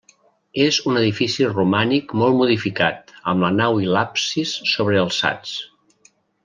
És un edifici romànic molt modificat, amb la nau i l'absis sobrealçats.